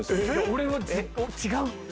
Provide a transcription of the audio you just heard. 俺は違う。